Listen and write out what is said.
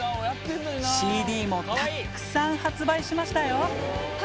ＣＤもたくさん発売しましたよ。